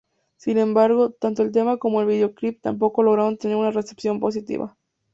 Sin embargo, tanto el tema como el videoclip tampoco lograron tener una recepción positiva.